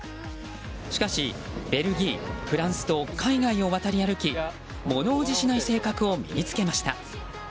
しかしベルギー、フランスと海外を渡り歩き物怖じしない性格を身に付けました。